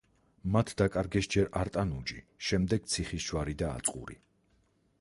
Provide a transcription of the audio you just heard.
მათ დაკარგეს ჯერ არტანუჯი, შემდეგ ციხისჯვარი და აწყური.